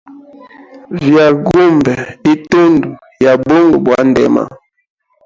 Vyaga gumbe itundu ya bunga bwa ndema.